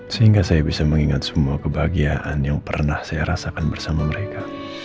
sehingga saya bisa mengingat semua kebahagiaan yang pernah saya rasakan bersama mereka